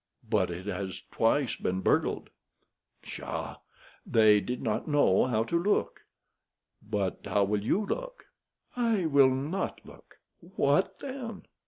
"But it has twice been burglarized." "Pshaw! They did not know how to look." "But how will you look?" "I will not look." "What then?"